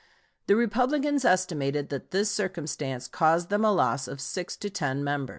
The Republicans estimated that this circumstance caused them a loss of six to ten members.